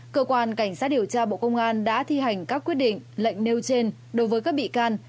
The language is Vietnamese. cơ quan cảnh sát điều tra bộ công an đã thi hành các quyết định lệnh nêu trên đối với các bị can